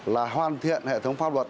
là hoàn thiện hệ thống pháp luật